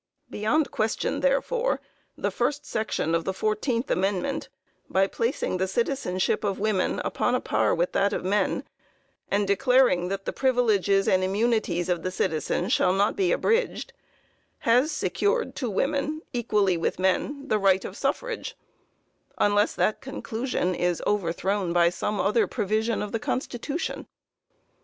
Beyond question, therefore, the first section of the fourteenth amendment, by placing the citizenship of women upon a par with that of men, and declaring that the "privileges and immunities" of the citizen shall not be abridged, has secured to women, equally with men, the right of suffrage, unless that conclusion is overthrown by some other provision of the constitution.